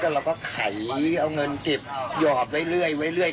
เราก็ไขเอาเงินเก็บหยอดไว้เรื่อย